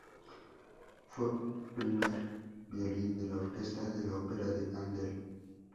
Fue primer violín de la Orquesta de la ópera de Handel.